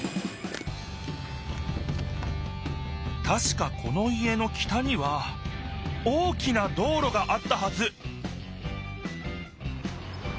たしかこの家の北には大きな道ろがあったはず！